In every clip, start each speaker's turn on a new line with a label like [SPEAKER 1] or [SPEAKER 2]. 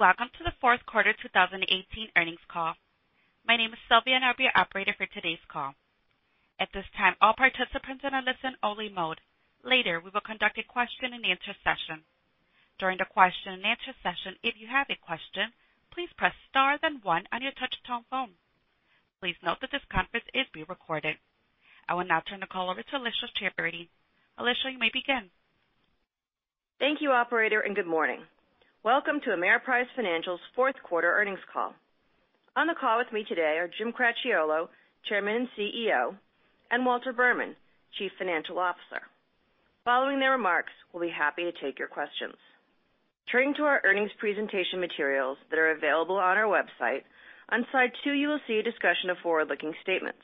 [SPEAKER 1] Welcome to the fourth quarter 2018 earnings call. My name is Sylvia, and I'll be your operator for today's call. At this time, all participants are in a listen-only mode. Later, we will conduct a question and answer session. During the question and answer session, if you have a question, please press star then one on your touch-tone phone. Please note that this conference is being recorded. I will now turn the call over to Alicia Charity. Alicia, you may begin.
[SPEAKER 2] Thank you, operator, and good morning. Welcome to Ameriprise Financial's fourth quarter earnings call. On the call with me today are Jim Cracchiolo, Chairman and CEO, and Walter Berman, Chief Financial Officer. Following their remarks, we'll be happy to take your questions. Turning to our earnings presentation materials that are available on our website, on slide two you will see a discussion of forward-looking statements.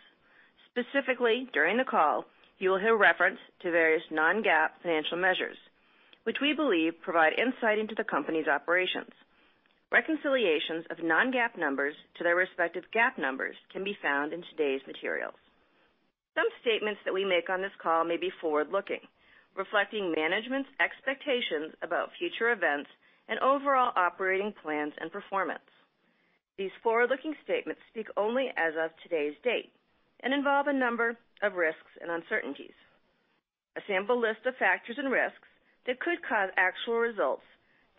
[SPEAKER 2] Specifically, during the call, you will hear reference to various non-GAAP financial measures, which we believe provide insight into the company's operations. Reconciliations of non-GAAP numbers to their respective GAAP numbers can be found in today's materials. Some statements that we make on this call may be forward-looking, reflecting management's expectations about future events and overall operating plans and performance. These forward-looking statements speak only as of today's date and involve a number of risks and uncertainties. A sample list of factors and risks that could cause actual results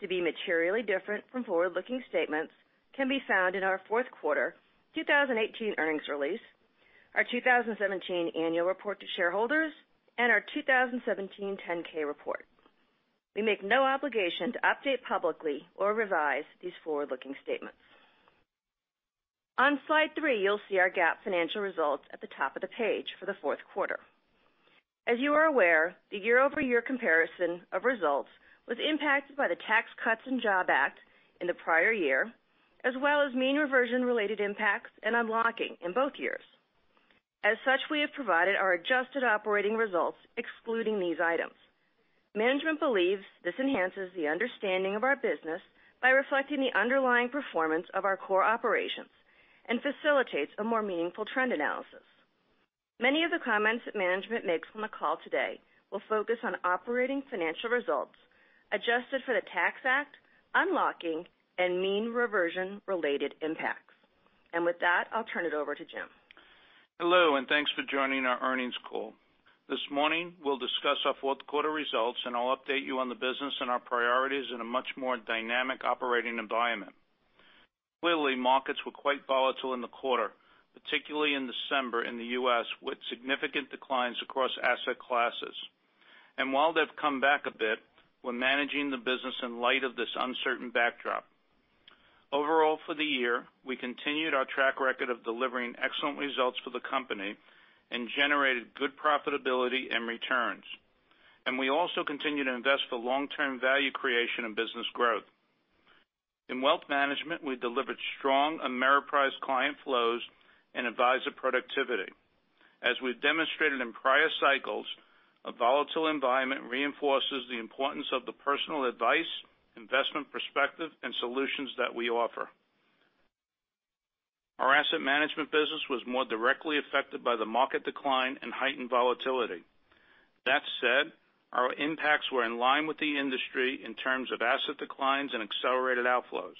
[SPEAKER 2] to be materially different from forward-looking statements can be found in our fourth quarter 2018 earnings release, our 2017 annual report to shareholders, and our 2017 10-K report. We make no obligation to update publicly or revise these forward-looking statements. On slide three, you'll see our GAAP financial results at the top of the page for the fourth quarter. As you are aware, the year-over-year comparison of results was impacted by the Tax Cuts and Jobs Act in the prior year, as well as mean reversion-related impacts and unlocking in both years. As such, we have provided our adjusted operating results excluding these items. Management believes this enhances the understanding of our business by reflecting the underlying performance of our core operations and facilitates a more meaningful trend analysis. Many of the comments that management makes on the call today will focus on operating financial results adjusted for the Tax Act, unlocking, and mean reversion-related impacts. With that, I'll turn it over to Jim.
[SPEAKER 3] Hello, thanks for joining our earnings call. This morning we'll discuss our fourth quarter results, and I'll update you on the business and our priorities in a much more dynamic operating environment. Clearly, markets were quite volatile in the quarter, particularly in December in the U.S., with significant declines across asset classes. While they've come back a bit, we're managing the business in light of this uncertain backdrop. Overall, for the year, we continued our track record of delivering excellent results for the company and generated good profitability and returns. We also continue to invest for long-term value creation and business growth. In wealth management, we delivered strong Ameriprise client flows and advisor productivity. As we've demonstrated in prior cycles, a volatile environment reinforces the importance of the personal advice, investment perspective, and solutions that we offer. Our asset management business was more directly affected by the market decline and heightened volatility. That said, our impacts were in line with the industry in terms of asset declines and accelerated outflows.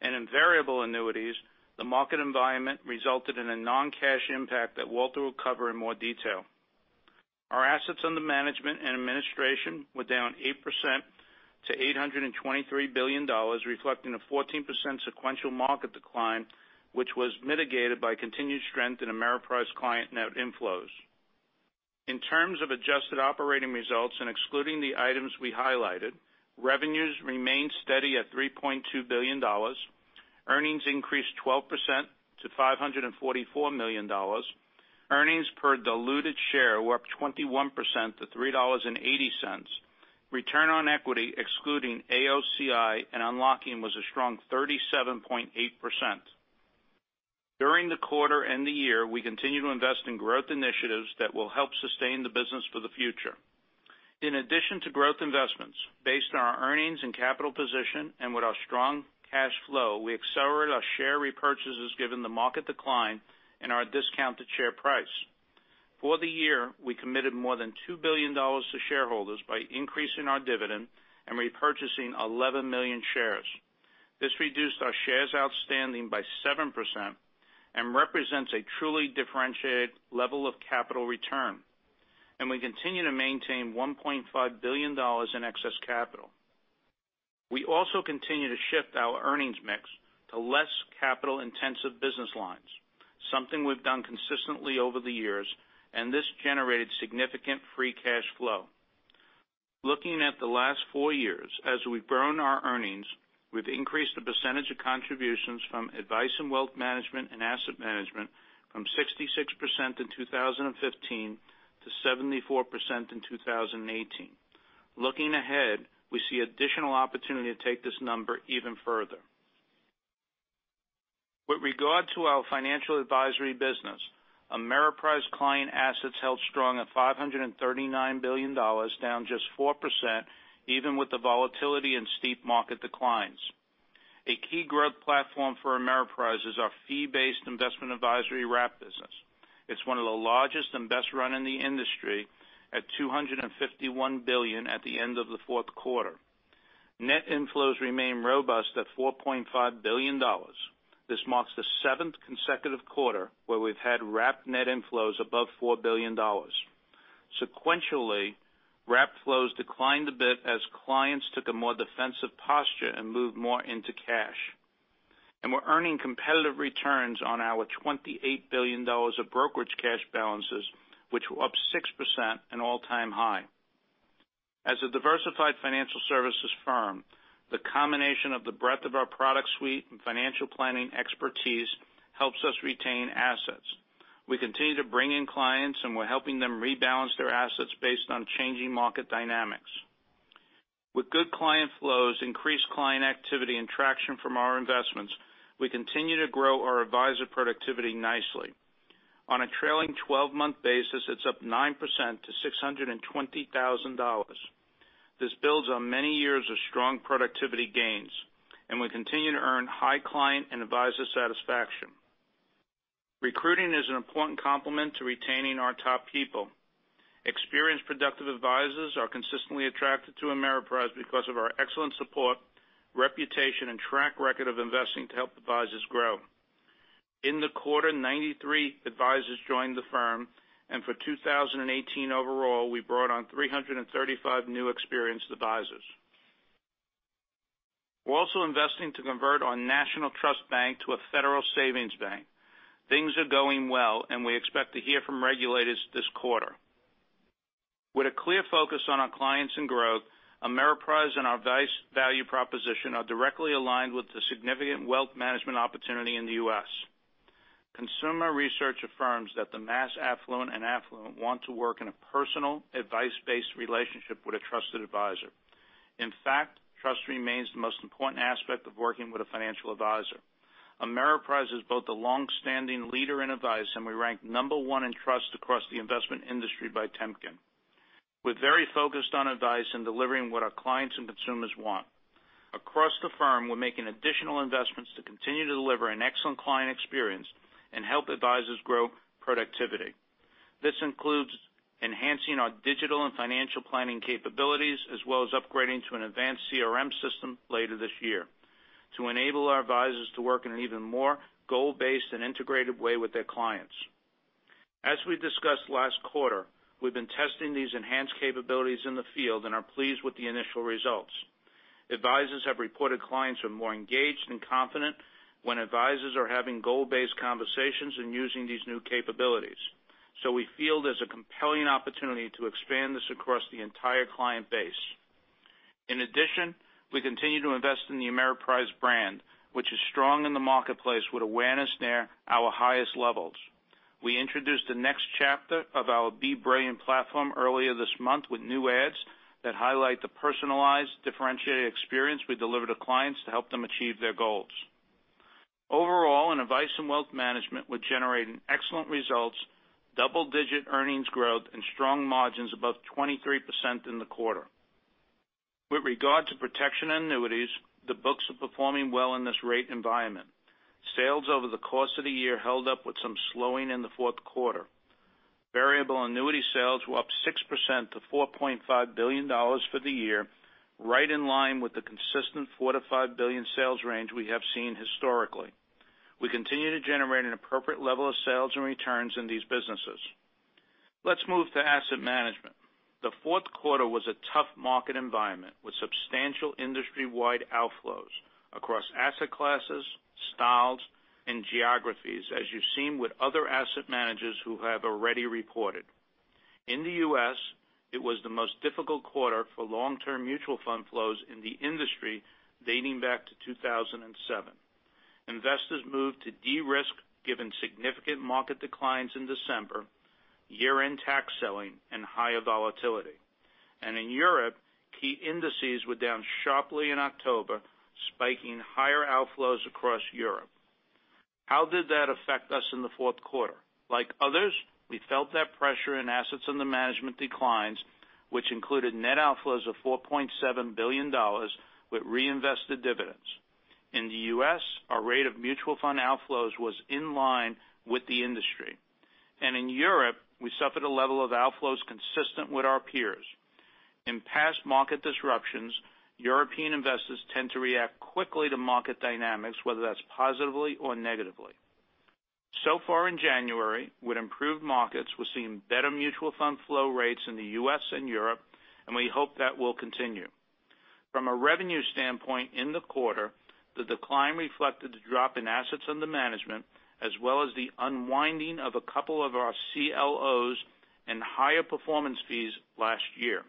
[SPEAKER 3] In variable annuities, the market environment resulted in a non-cash impact that Walter will cover in more detail. Our assets under management and administration were down 8% to $823 billion, reflecting a 14% sequential market decline, which was mitigated by continued strength in Ameriprise client net inflows. In terms of adjusted operating results and excluding the items we highlighted, revenues remained steady at $3.2 billion. Earnings increased 12% to $544 million. Earnings per diluted share were up 21% to $3.80. Return on equity, excluding AOCI and unlocking, was a strong 37.8%. During the quarter and the year, we continued to invest in growth initiatives that will help sustain the business for the future. In addition to growth investments, based on our earnings and capital position, with our strong cash flow, we accelerated our share repurchases given the market decline and our discounted share price. For the year, we committed more than $2 billion to shareholders by increasing our dividend and repurchasing 11 million shares. This reduced our shares outstanding by 7% and represents a truly differentiated level of capital return. We continue to maintain $1.5 billion in excess capital. We also continue to shift our earnings mix to less capital-intensive business lines, something we've done consistently over the years, and this generated significant free cash flow. Looking at the last four years, as we've grown our earnings, we've increased the percentage of contributions from Advice & Wealth Management and asset management from 66% in 2015 to 74% in 2018. Looking ahead, we see additional opportunity to take this number even further. With regard to our financial advisory business, Ameriprise client assets held strong at $539 billion, down just 4%, even with the volatility and steep market declines. A key growth platform for Ameriprise is our fee-based investment advisory wrap business. It's one of the largest and best run in the industry at $251 billion at the end of the fourth quarter. Net inflows remain robust at $4.5 billion. This marks the seventh consecutive quarter where we've had wrap net inflows above $4 billion. Sequentially, wrap flows declined a bit as clients took a more defensive posture and moved more into cash. We're earning competitive returns on our $28 billion of brokerage cash balances, which were up 6%, an all-time high. As a diversified financial services firm, the combination of the breadth of our product suite and financial planning expertise helps us retain assets. We continue to bring in clients. We're helping them rebalance their assets based on changing market dynamics. With good client flows, increased client activity, and traction from our investments, we continue to grow our advisor productivity nicely. On a trailing 12-month basis, it's up 9% to $620,000. This builds on many years of strong productivity gains, and we continue to earn high client and advisor satisfaction. Recruiting is an important complement to retaining our top people. Experienced productive advisors are consistently attracted to Ameriprise because of our excellent support, reputation, and track record of investing to help advisors grow. In the quarter, 93 advisors joined the firm, and for 2018 overall, we brought on 335 new experienced advisors. We're also investing to convert our national trust bank to a federal savings bank. Things are going well. We expect to hear from regulators this quarter. With a clear focus on our clients and growth, Ameriprise and our value proposition are directly aligned with the significant wealth management opportunity in the U.S. Consumer research affirms that the mass affluent and affluent want to work in a personal, advice-based relationship with a trusted advisor. In fact, trust remains the most important aspect of working with a financial advisor. Ameriprise is both a long-standing leader in advice, and we rank number one in trust across the investment industry by Temkin Group. We're very focused on advice and delivering what our clients and consumers want. Across the firm, we're making additional investments to continue to deliver an excellent client experience and help advisors grow productivity. This includes enhancing our digital and financial planning capabilities, as well as upgrading to an advanced CRM system later this year to enable our advisors to work in an even more goal-based and integrated way with their clients. As we discussed last quarter, we've been testing these enhanced capabilities in the field and are pleased with the initial results. Advisors have reported clients are more engaged and confident when advisors are having goal-based conversations and using these new capabilities. We feel there's a compelling opportunity to expand this across the entire client base. In addition, we continue to invest in the Ameriprise brand, which is strong in the marketplace with awareness near our highest levels. We introduced the next chapter of our Be Brilliant platform earlier this month with new ads that highlight the personalized, differentiated experience we deliver to clients to help them achieve their goals. Overall, in Advice & Wealth Management, we're generating excellent results, double-digit earnings growth, and strong margins above 23% in the quarter. With regard to protection annuities, the books are performing well in this rate environment. Sales over the course of the year held up with some slowing in the fourth quarter. Variable annuity sales were up 6% to $4.5 billion for the year, right in line with the consistent $4 billion-$5 billion sales range we have seen historically. We continue to generate an appropriate level of sales and returns in these businesses. Let's move to asset management. The fourth quarter was a tough market environment with substantial industry-wide outflows across asset classes, styles, and geographies, as you've seen with other asset managers who have already reported. In the U.S., it was the most difficult quarter for long-term mutual fund flows in the industry dating back to 2007. Investors moved to de-risk given significant market declines in December, year-end tax selling, and higher volatility. In Europe, key indices were down sharply in October, spiking higher outflows across Europe. How did that affect us in the fourth quarter? Like others, we felt that pressure in assets under management declines, which included net outflows of $4.7 billion with reinvested dividends. In the U.S., our rate of mutual fund outflows was in line with the industry. In Europe, we suffered a level of outflows consistent with our peers. In past market disruptions, European investors tend to react quickly to market dynamics, whether that's positively or negatively. Far in January, with improved markets, we're seeing better mutual fund flow rates in the U.S. and Europe, and we hope that will continue. From a revenue standpoint in the quarter, the decline reflected the drop in assets under management, as well as the unwinding of a couple of our CLOs and higher performance fees last year.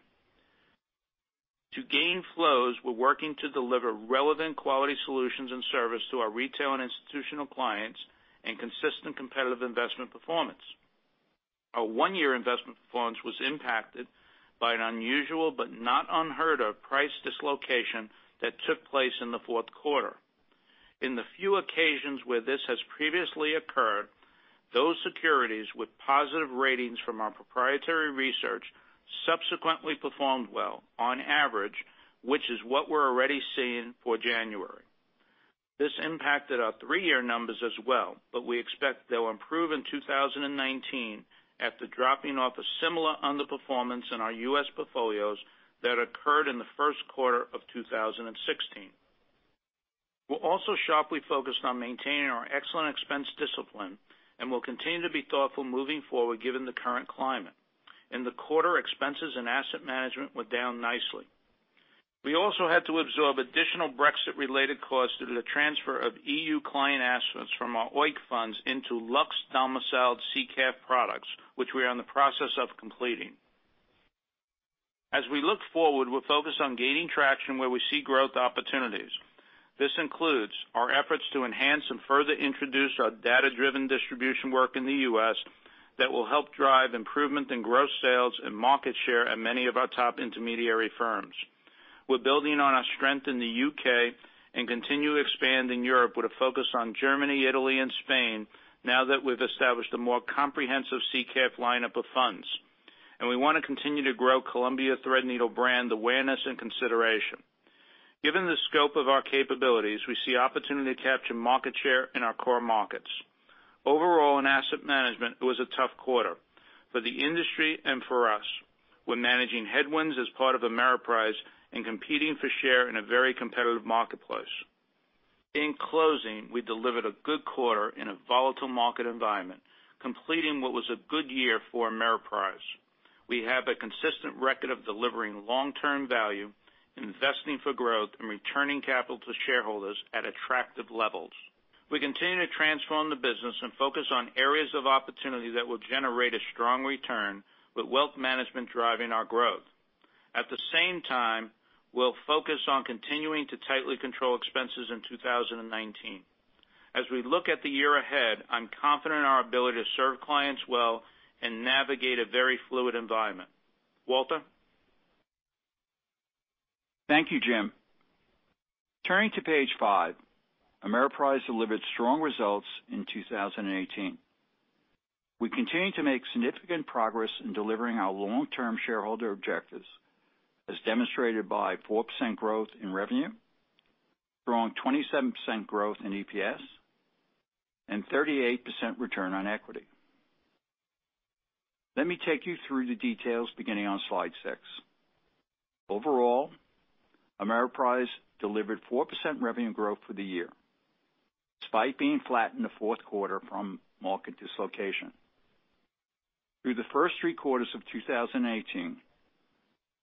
[SPEAKER 3] To gain flows, we're working to deliver relevant quality solutions and service to our retail and institutional clients and consistent competitive investment performance. Our one-year investment performance was impacted by an unusual but not unheard of price dislocation that took place in the fourth quarter. In the few occasions where this has previously occurred. Those securities with positive ratings from our proprietary research subsequently performed well on average, which is what we're already seeing for January. This impacted our three-year numbers as well, but we expect they'll improve in 2019 after dropping off a similar underperformance in our U.S. portfolios that occurred in the first quarter of 2016. We're also sharply focused on maintaining our excellent expense discipline and will continue to be thoughtful moving forward given the current climate. In the quarter, expenses and asset management were down nicely. We also had to absorb additional Brexit-related costs due to the transfer of EU client assets from our OEIC funds into Lux-domiciled SICAV products, which we are in the process of completing. We look forward, we're focused on gaining traction where we see growth opportunities. This includes our efforts to enhance and further introduce our data-driven distribution work in the U.S. that will help drive improvement in gross sales and market share at many of our top intermediary firms. We're building on our strength in the U.K. and continue to expand in Europe with a focus on Germany, Italy, and Spain now that we've established a more comprehensive SICAV lineup of funds. We want to continue to grow Columbia Threadneedle brand awareness and consideration. Given the scope of our capabilities, we see opportunity to capture market share in our core markets. Overall, in asset management, it was a tough quarter for the industry and for us. We're managing headwinds as part of Ameriprise and competing for share in a very competitive marketplace. In closing, we delivered a good quarter in a volatile market environment, completing what was a good year for Ameriprise. We have a consistent record of delivering long-term value, investing for growth, and returning capital to shareholders at attractive levels. We continue to transform the business and focus on areas of opportunity that will generate a strong return with wealth management driving our growth. At the same time, we'll focus on continuing to tightly control expenses in 2019. As we look at the year ahead, I'm confident in our ability to serve clients well and navigate a very fluid environment. Walter?
[SPEAKER 4] Thank you, Jim. Turning to page five, Ameriprise delivered strong results in 2018. We continue to make significant progress in delivering our long-term shareholder objectives, as demonstrated by 4% growth in revenue, strong 27% growth in EPS, and 38% return on equity. Let me take you through the details beginning on slide six. Overall, Ameriprise delivered 4% revenue growth for the year, despite being flat in the fourth quarter from market dislocation. Through the first three quarters of 2018,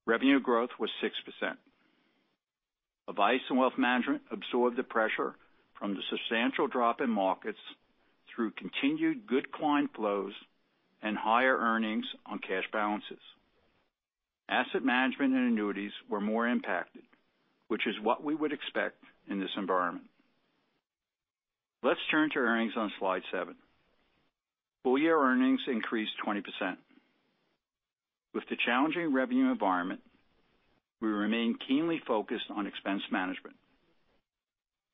[SPEAKER 4] revenue growth was 6%. Advice & Wealth Management absorbed the pressure from the substantial drop in markets through continued good client flows and higher earnings on cash balances. Asset management and annuities were more impacted, which is what we would expect in this environment. Let's turn to earnings on slide seven. Full-year earnings increased 20%. With the challenging revenue environment, we remain keenly focused on expense management.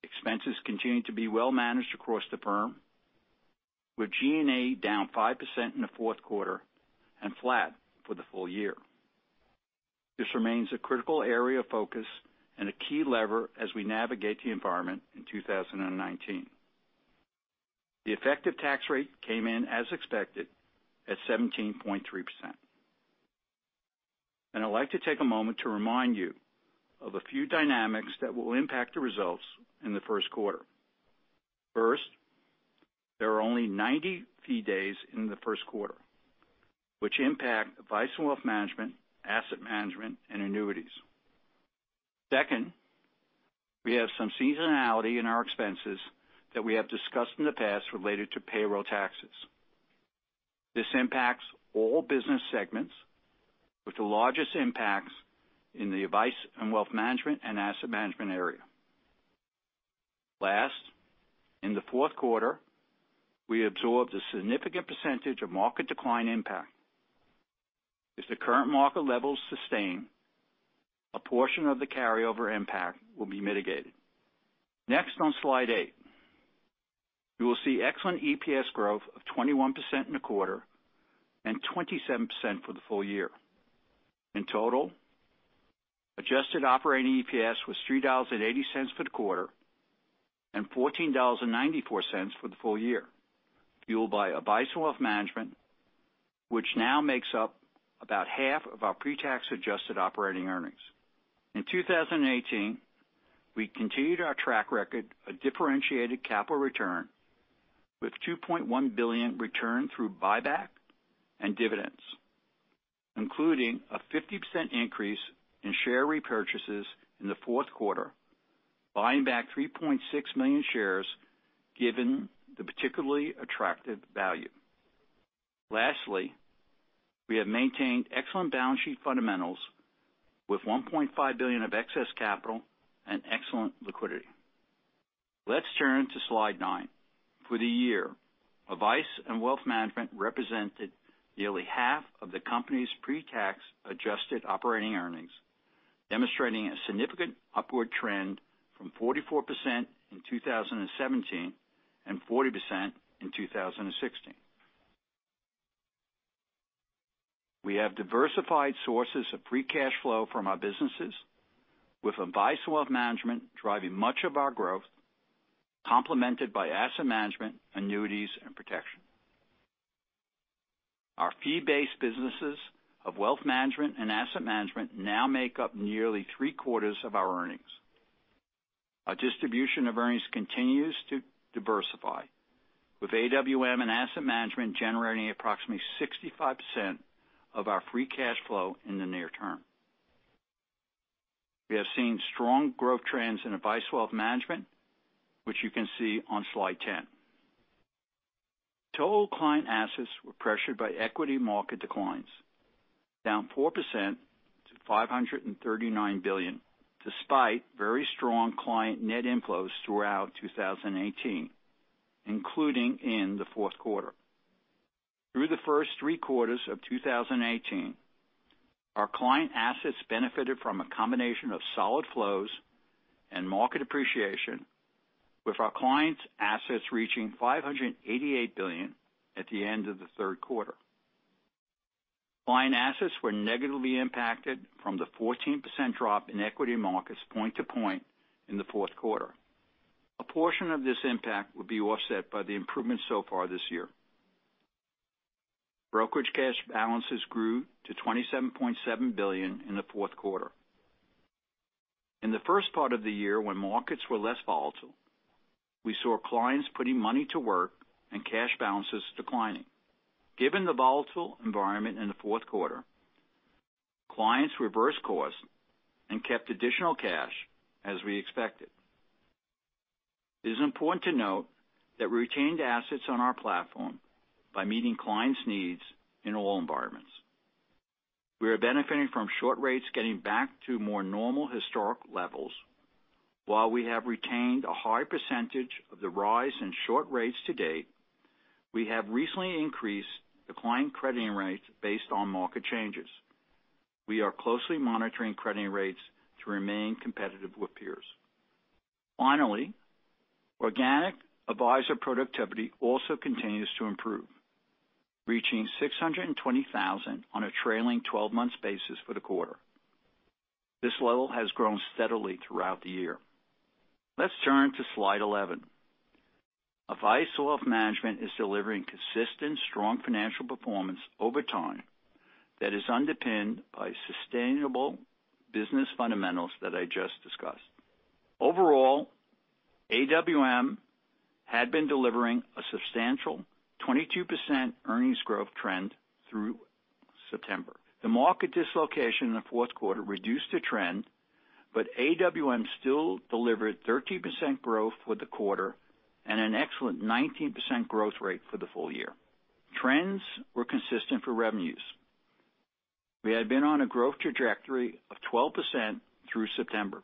[SPEAKER 4] Expenses continue to be well managed across the firm, with G&A down 5% in the fourth quarter and flat for the full year. This remains a critical area of focus and a key lever as we navigate the environment in 2019. The effective tax rate came in as expected at 17.3%. I'd like to take a moment to remind you of a few dynamics that will impact the results in the first quarter. First, there are only 90 fee days in the first quarter, which impact Advice & Wealth Management, asset management, and annuities. Second, we have some seasonality in our expenses that we have discussed in the past related to payroll taxes. This impacts all business segments, with the largest impacts in the Advice & Wealth Management and asset management area. Last, in the fourth quarter, we absorbed a significant percentage of market decline impact. If the current market levels sustain, a portion of the carryover impact will be mitigated. Next on slide eight. You will see excellent EPS growth of 21% in the quarter and 27% for the full year. In total, adjusted operating EPS was $3.80 for the quarter and $14.94 for the full year, fueled by Advice & Wealth Management, which now makes up about half of our pre-tax adjusted operating earnings. In 2018, we continued our track record of differentiated capital return with $2.1 billion returned through buyback and dividends, including a 50% increase in share repurchases in the fourth quarter, buying back 3.6 million shares given the particularly attractive value. Lastly, we have maintained excellent balance sheet fundamentals with $1.5 billion of excess capital and excellent liquidity. Let's turn to slide nine. For the year, Advice & Wealth Management represented nearly half of the company's pre-tax adjusted operating earnings. Demonstrating a significant upward trend from 44% in 2017 and 40% in 2016. We have diversified sources of free cash flow from our businesses with Advice & Wealth Management driving much of our growth, complemented by Asset Management, Annuities and Protection. Our fee-based businesses of Wealth Management and Asset Management now make up nearly three-quarters of our earnings. Our distribution of earnings continues to diversify, with AWM and Asset Management generating approximately 65% of our free cash flow in the near term. We have seen strong growth trends in Advice & Wealth Management, which you can see on slide 10. Total client assets were pressured by equity market declines, down 4% to $539 billion, despite very strong client net inflows throughout 2018, including in the fourth quarter. Through the first three quarters of 2018, our client assets benefited from a combination of solid flows and market appreciation, with our client's assets reaching $588 billion at the end of the third quarter. Client assets were negatively impacted from the 14% drop in equity markets point to point in the fourth quarter. A portion of this impact will be offset by the improvement so far this year. Brokerage cash balances grew to $27.7 billion in the fourth quarter. In the first part of the year, when markets were less volatile, we saw clients putting money to work and cash balances declining. Given the volatile environment in the fourth quarter, clients reversed course and kept additional cash as we expected. It is important to note that retained assets on our platform by meeting clients' needs in all environments. We are benefiting from short rates getting back to more normal historic levels. While we have retained a high percentage of the rise in short rates to date, we have recently increased the client crediting rates based on market changes. We are closely monitoring crediting rates to remain competitive with peers. Finally, organic advisor productivity also continues to improve, reaching $620,000 on a trailing 12-month basis for the quarter. This level has grown steadily throughout the year. Let's turn to slide 11. Advice & Wealth Management is delivering consistent strong financial performance over time that is underpinned by sustainable business fundamentals that I just discussed. Overall, AWM had been delivering a substantial 22% earnings growth trend through September. The market dislocation in the fourth quarter reduced the trend, but AWM still delivered 13% growth for the quarter and an excellent 19% growth rate for the full year. Trends were consistent for revenues. We had been on a growth trajectory of 12% through September,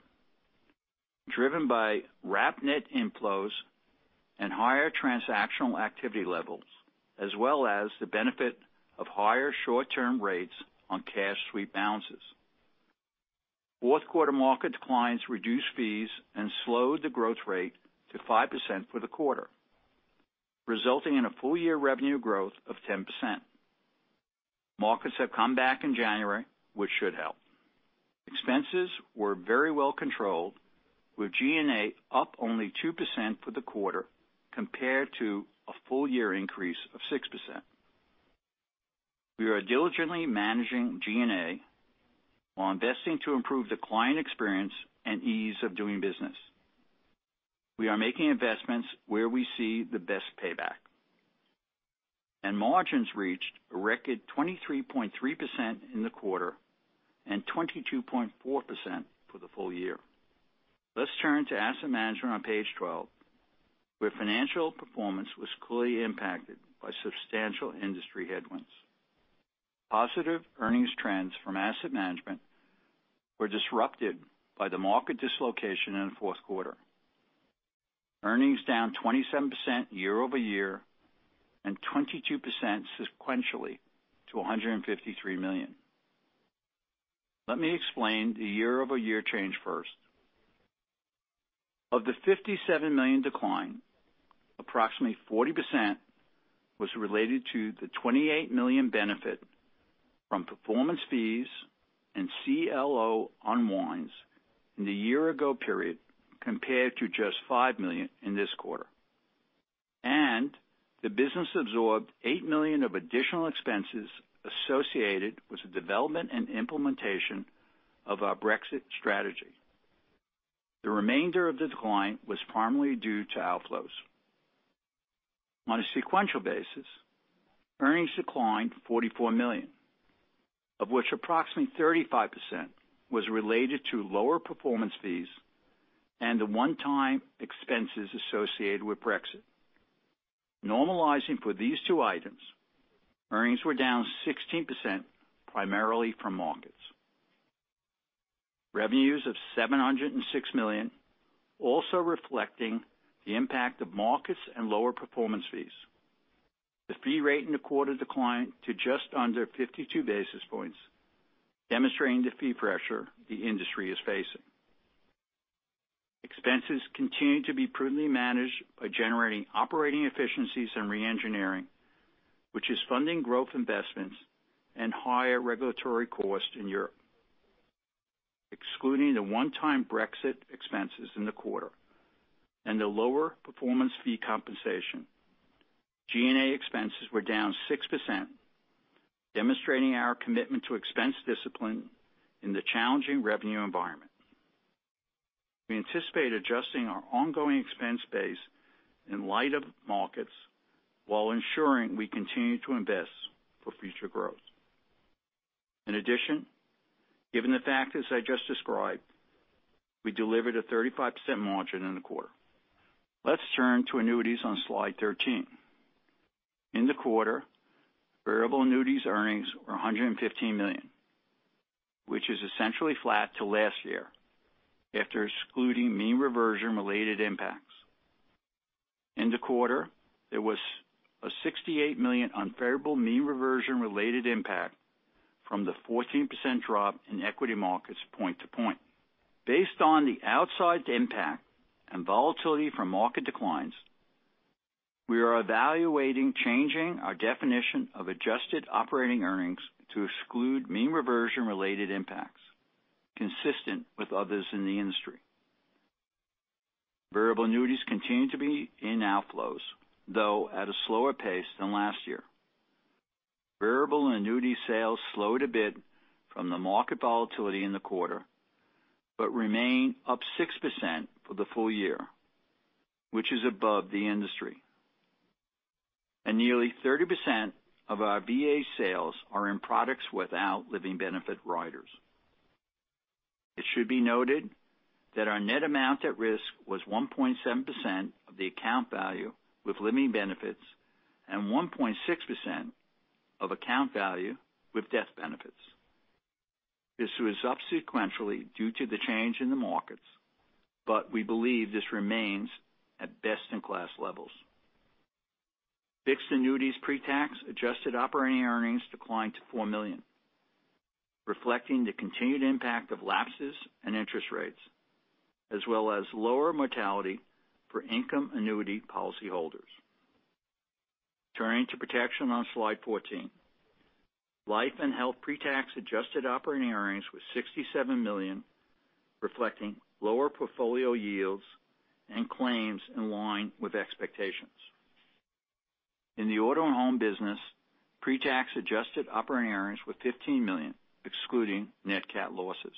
[SPEAKER 4] driven by wrap net inflows and higher transactional activity levels, as well as the benefit of higher short-term rates on cash sweep balances. Fourth quarter market declines reduced fees and slowed the growth rate to 5% for the quarter, resulting in a full-year revenue growth of 10%. Markets have come back in January, which should help. Expenses were very well controlled, with G&A up only 2% for the quarter compared to a full year increase of 6%. We are diligently managing G&A while investing to improve the client experience and ease of doing business. We are making investments where we see the best payback. Margins reached a record 23.3% in the quarter and 22.4% for the full year. Let's turn to Asset Management on page 12, where financial performance was clearly impacted by substantial industry headwinds. Positive earnings trends from Asset Management were disrupted by the market dislocation in the fourth quarter. Earnings down 27% year-over-year and 22% sequentially to $153 million. Let me explain the year-over-year change first. Of the $57 million decline, approximately 40% was related to the $28 million benefit from performance fees and CLO unwinds in the year-ago period, compared to just $5 million in this quarter. The business absorbed $8 million of additional expenses associated with the development and implementation of our Brexit strategy. The remainder of the decline was primarily due to outflows. On a sequential basis, earnings declined to $44 million, of which approximately 35% was related to lower performance fees and the one-time expenses associated with Brexit. Normalizing for these two items, earnings were down 16%, primarily from markets. Revenues of $706 million also reflecting the impact of markets and lower performance fees. The fee rate in the quarter declined to just under 52 basis points, demonstrating the fee pressure the industry is facing. Expenses continue to be prudently managed by generating operating efficiencies and re-engineering, which is funding growth investments and higher regulatory costs in Europe. Excluding the one-time Brexit expenses in the quarter and the lower performance fee compensation, G&A expenses were down 6%, demonstrating our commitment to expense discipline in the challenging revenue environment. We anticipate adjusting our ongoing expense base in light of markets while ensuring we continue to invest for future growth. In addition, given the factors I just described, we delivered a 35% margin in the quarter. Let's turn to annuities on slide 13. In the quarter, Variable annuities earnings were $115 million, which is essentially flat to last year after excluding mean reversion-related impacts. In the quarter, there was a $68 million unfavorable mean reversion-related impact from the 14% drop in equity markets point to point. Based on the outsized impact and volatility from market declines, we are evaluating changing our definition of adjusted operating earnings to exclude mean reversion-related impacts, consistent with others in the industry. Variable annuities continue to be in outflows, though at a slower pace than last year. Variable annuity sales slowed a bit from the market volatility in the quarter, but remain up 6% for the full year, which is above the industry, and nearly 30% of our VA sales are in products without living benefit riders. It should be noted that our net amount at risk was 1.7% of the account value with living benefits and 1.6% of account value with death benefits. This was up sequentially due to the change in the markets, but we believe this remains at best in class levels. Fixed annuities pre-tax adjusted operating earnings declined to $4 million, reflecting the continued impact of lapses and interest rates, as well as lower mortality for income annuity policy holders. Turning to protection on slide 14. Life and health pre-tax adjusted operating earnings was $67 million, reflecting lower portfolio yields and claims in line with expectations. In the Auto and home business, pre-tax adjusted operating earnings were $15 million, excluding net cat losses.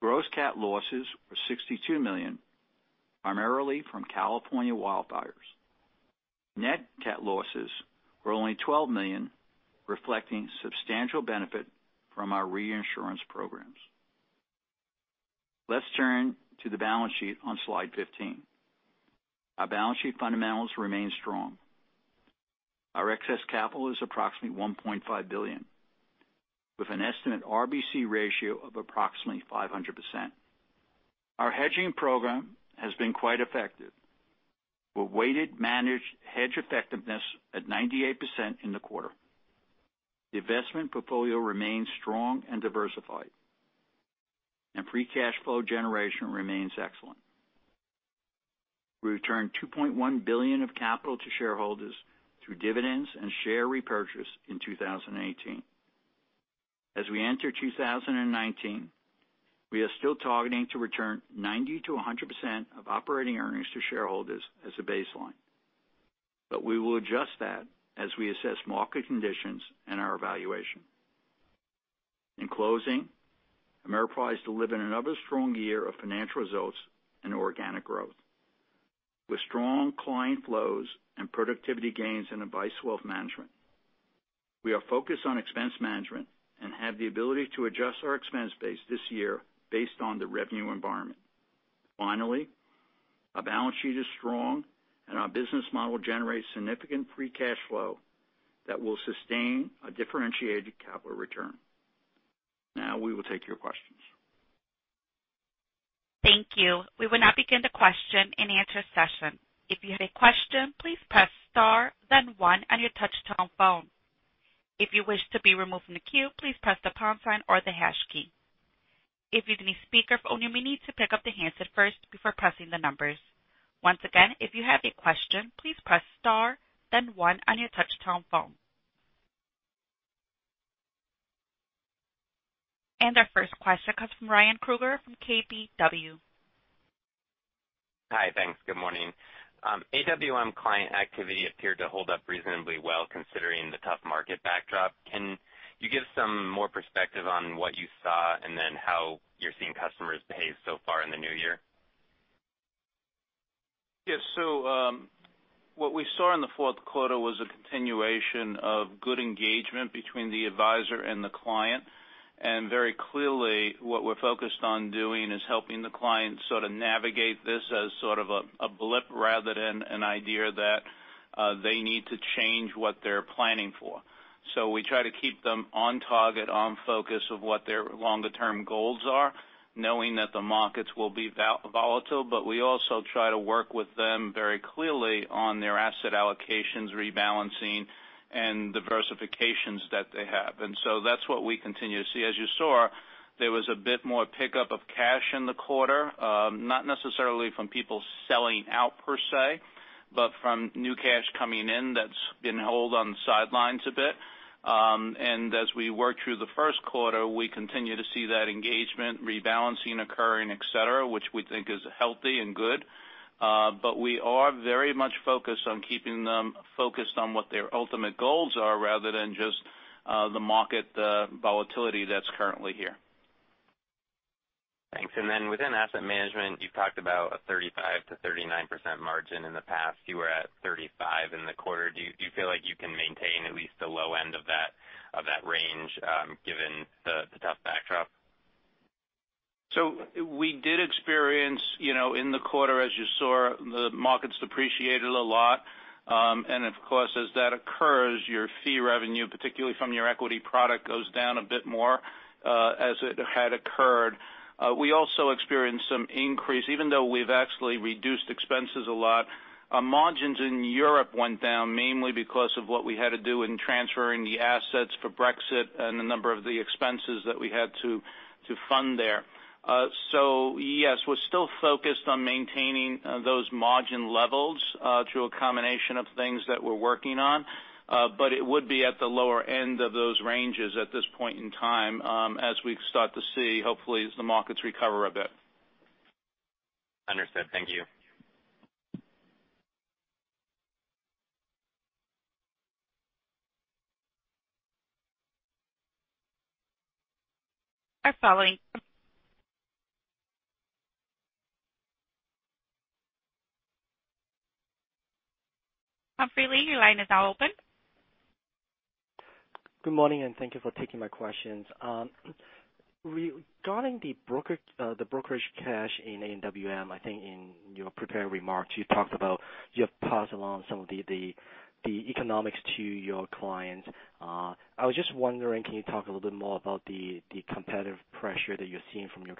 [SPEAKER 4] Gross cat losses were $62 million, primarily from California wildfires. Net cat losses were only $12 million, reflecting substantial benefit from our reinsurance programs. Let's turn to the balance sheet on slide 15. Our balance sheet fundamentals remain strong. Our excess capital is approximately $1.5 billion with an estimated RBC ratio of approximately 500%. Our hedging program has been quite effective, with weighted managed hedge effectiveness at 98% in the quarter. The investment portfolio remains strong and diversified, and free cash flow generation remains excellent. We returned $2.1 billion of capital to shareholders through dividends and share repurchase in 2018. As we enter 2019, we are still targeting to return 90%-100% of operating earnings to shareholders as a baseline. We will adjust that as we assess market conditions and our evaluation. In closing, Ameriprise delivered another strong year of financial results and organic growth, with strong client flows and productivity gains in Advice & Wealth Management. We are focused on expense management and have the ability to adjust our expense base this year based on the revenue environment. Finally, our balance sheet is strong and our business model generates significant free cash flow that will sustain a differentiated capital return. Now we will take your questions.
[SPEAKER 1] Thank you. We will now begin the question and answer session. If you have a question, please press star then one on your touch-tone phone. If you wish to be removed from the queue, please press the pound sign or the hash key. If using a speakerphone, you may need to pick up the handset first before pressing the numbers. Once again, if you have a question, please press star then one on your touch-tone phone. Our first question comes from Ryan Krueger from KBW.
[SPEAKER 5] Hi. Thanks. Good morning. AWM client activity appeared to hold up reasonably well considering the tough market backdrop. Can you give some more perspective on what you saw and then how you're seeing customers behave so far in the new year?
[SPEAKER 4] Yes. What we saw in the fourth quarter was a continuation of good engagement between the advisor and the client. Very clearly, what we're focused on doing is helping the client sort of navigate this as sort of a blip rather than an idea that they need to change what they're planning for.
[SPEAKER 3] We try to keep them on target, on focus of what their longer-term goals are, knowing that the markets will be volatile. We also try to work with them very clearly on their asset allocations, rebalancing, and diversifications that they have. That's what we continue to see. As you saw, there was a bit more pickup of cash in the quarter. Not necessarily from people selling out per se, but from new cash coming in that's been held on the sidelines a bit. As we work through the first quarter, we continue to see that engagement rebalancing occurring, et cetera, which we think is healthy and good. We are very much focused on keeping them focused on what their ultimate goals are, rather than just the market volatility that's currently here.
[SPEAKER 5] Thanks. Then within asset management, you've talked about a 35%-39% margin in the past. You were at 35% in the quarter. Do you feel like you can maintain at least the low end of that range, given the tough backdrop?
[SPEAKER 3] We did experience in the quarter, as you saw, the markets depreciated a lot. Of course, as that occurs, your fee revenue, particularly from your equity product, goes down a bit more, as it had occurred. We also experienced some increase, even though we've actually reduced expenses a lot. Our margins in Europe went down mainly because of what we had to do in transferring the assets for Brexit and the number of the expenses that we had to fund there. Yes, we're still focused on maintaining those margin levels, through a combination of things that we're working on. It would be at the lower end of those ranges at this point in time, as we start to see, hopefully, as the markets recover a bit.
[SPEAKER 5] Understood. Thank you.
[SPEAKER 1] Our following Humphrey Lee, your line is now open.
[SPEAKER 6] Good morning, and thank you for taking my questions. Regarding the brokerage cash in AWM, I think in your prepared remarks, you talked about you have passed along some of the economics to your clients. I was just wondering, can you talk a little bit more about the competitive pressure that you're seeing from your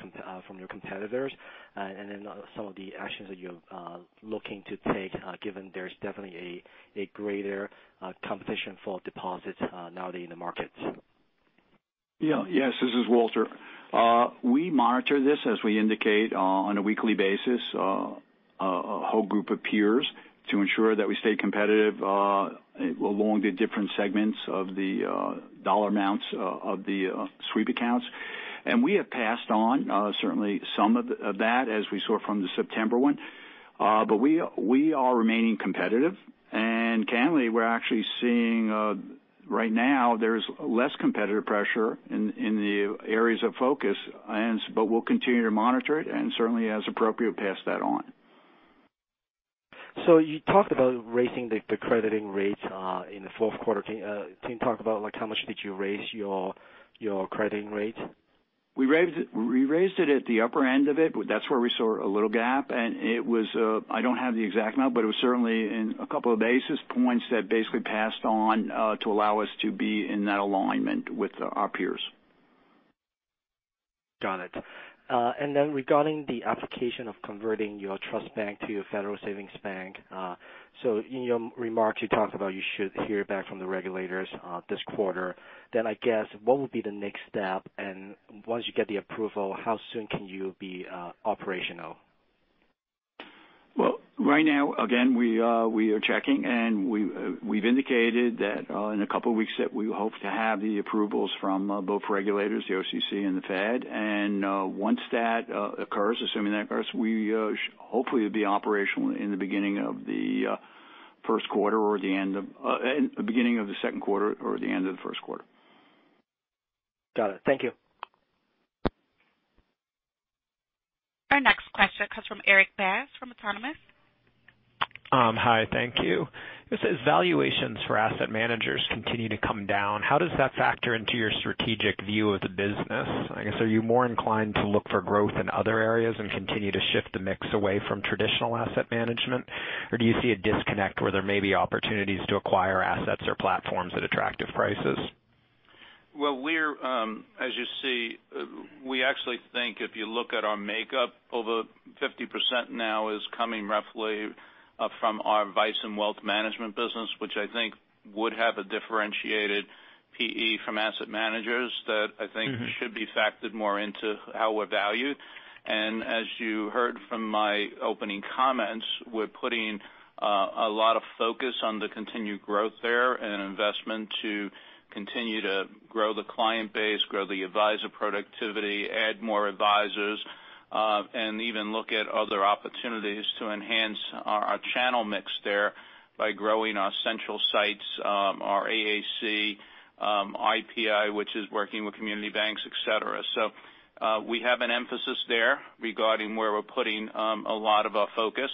[SPEAKER 6] competitors and then some of the actions that you're looking to take, given there's definitely a greater competition for deposits nowadays in the markets?
[SPEAKER 4] Yes, this is Walter. We monitor this, as we indicate, on a weekly basis, a whole group of peers to ensure that we stay competitive along the different segments of the dollar amounts of the sweep accounts. We have passed on certainly some of that as we saw from the September one. We are remaining competitive, and candidly, we're actually seeing right now there's less competitive pressure in the areas of focus. We'll continue to monitor it and certainly as appropriate, pass that on.
[SPEAKER 6] You talked about raising the crediting rates in the fourth quarter. Can you talk about how much did you raise your crediting rate?
[SPEAKER 4] We raised it at the upper end of it. That's where we saw a little gap, and it was I don't have the exact amount, but it was certainly in a couple of basis points that basically passed on to allow us to be in that alignment with our peers.
[SPEAKER 6] Got it. Regarding the application of converting your trust bank to a federal savings bank. In your remarks, you talked about you should hear back from the regulators this quarter. What would be the next step? Once you get the approval, how soon can you be operational?
[SPEAKER 4] Right now, again, we are checking, and we've indicated that in a couple of weeks that we hope to have the approvals from both regulators, the OCC and the Fed. Once that occurs, assuming that occurs, we hopefully will be operational in the beginning of the first quarter or the end of Beginning of the second quarter or the end of the first quarter.
[SPEAKER 6] Got it. Thank you.
[SPEAKER 1] Our next question comes from Erik Bass from Autonomous Research.
[SPEAKER 7] Hi, thank you. As valuations for asset managers continue to come down, how does that factor into your strategic view of the business? I guess, are you more inclined to look for growth in other areas and continue to shift the mix away from traditional asset management? Or do you see a disconnect where there may be opportunities to acquire assets or platforms at attractive prices?
[SPEAKER 3] Well, as you see, we actually think if you look at our makeup, over 50% now is coming roughly from our Advice & Wealth Management business, which I think would have a differentiated PE from asset managers that I think should be factored more into how we're valued. As you heard from my opening comments, we're putting a lot of focus on the continued growth there and investment to continue to grow the client base, grow the advisor productivity, add more advisors, and even look at other opportunities to enhance our channel mix there by growing our central sites, our AAC, IPI, which is working with community banks, et cetera. We have an emphasis there regarding where we're putting a lot of our focus.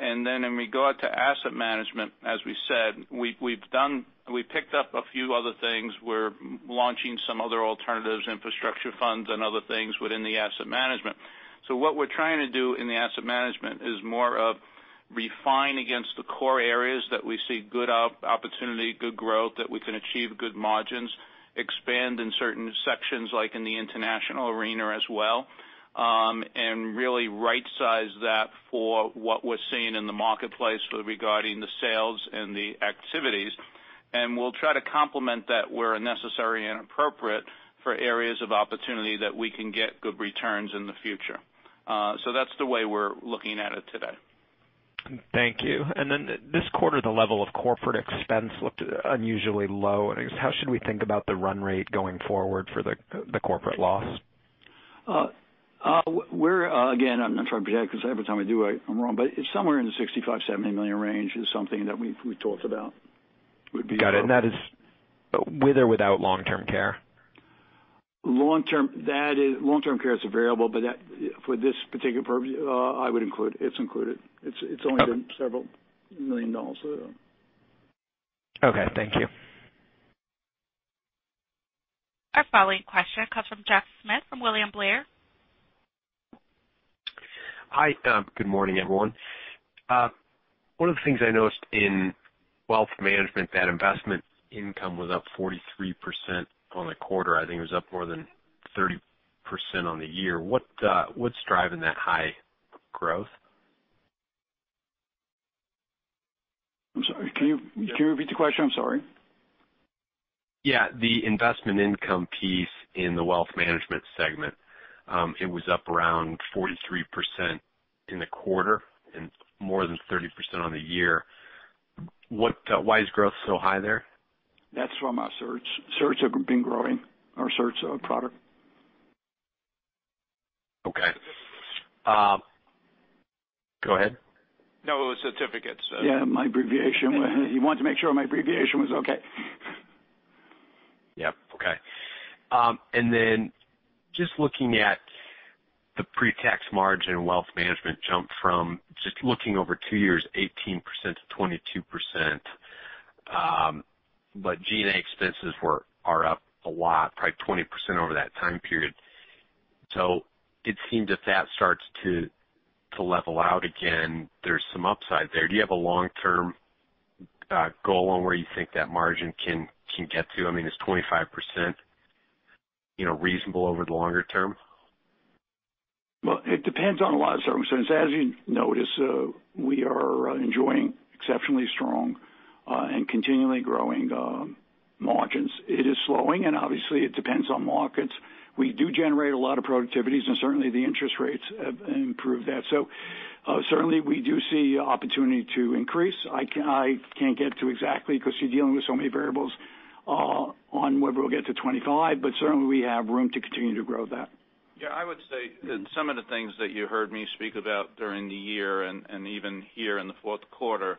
[SPEAKER 3] In regard to asset management, as we said, we've picked up a few other things. We're launching some other alternatives, infrastructure funds, and other things within the asset management. What we're trying to do in the asset management is more of refine against the core areas that we see good opportunity, good growth, that we can achieve good margins, expand in certain sections, like in the international arena as well, and really right-size that for what we're seeing in the marketplace regarding the sales and the activities. We'll try to complement that where necessary and appropriate for areas of opportunity that we can get good returns in the future. That's the way we're looking at it today.
[SPEAKER 7] Thank you. This quarter, the level of corporate expense looked unusually low. How should we think about the run rate going forward for the corporate loss?
[SPEAKER 4] Again, I'm not trying to project, because every time I do, I'm wrong, it's somewhere in the $65 million-$70 million range is something that we've talked about would be.
[SPEAKER 7] Got it. That is with or without long-term care?
[SPEAKER 4] Long-term care is a variable, but for this particular purpose, I would include. It's included. It's only been several million dollars.
[SPEAKER 7] Okay, thank you.
[SPEAKER 1] Our following question comes from Jeff Smith from William Blair.
[SPEAKER 8] Hi, good morning, everyone. One of the things I noticed in Wealth Management, that investment income was up 43% on the quarter. I think it was up more than 30% on the year. What's driving that high growth?
[SPEAKER 4] I'm sorry, can you repeat the question? I'm sorry.
[SPEAKER 8] Yeah. The investment income piece in the wealth management segment. It was up around 43% in the quarter and more than 30% on the year. Why is growth so high there?
[SPEAKER 4] That's from our certificates. Certs have been growing. Our certificates are a product. Okay. Go ahead.
[SPEAKER 3] No, it was certificates.
[SPEAKER 4] Yeah, my abbreviation. He wanted to make sure my abbreviation was okay.
[SPEAKER 8] Yep. Okay. Then just looking at the pre-tax margin, wealth management jumped from, just looking over two years, 18% to 22%. G&A expenses are up a lot, probably 20% over that time period. It seems if that starts to level out again, there's some upside there. Do you have a long-term goal on where you think that margin can get to? I mean, is 25% reasonable over the longer term?
[SPEAKER 4] Well, it depends on a lot of circumstances. As you notice, we are enjoying exceptionally strong and continually growing margins. It is slowing, obviously, it depends on markets. We do generate a lot of productivities, and certainly, the interest rates have improved that. Certainly, we do see opportunity to increase. I can't get to exactly because you're dealing with so many variables on whether we'll get to 25%, certainly, we have room to continue to grow that.
[SPEAKER 3] I would say that some of the things that you heard me speak about during the year and even here in the fourth quarter,